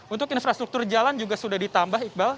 untuk infrastruktur jalan juga sudah ditambah iqbal